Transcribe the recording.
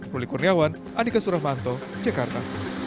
ruli kurniawan andika suramanto jakarta